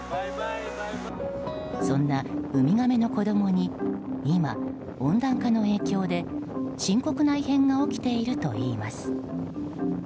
そんなウミガメの子供に今、温暖化の影響で深刻な異変が起きているといいます。